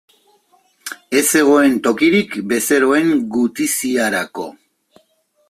Ez zegoen tokirik bezeroen gutiziarako.